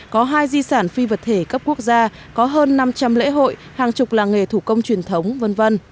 có hai di sản phi vật thể cấp quốc gia có hơn năm trăm linh lễ hội hàng chục làng nghề thủ công truyền thống v v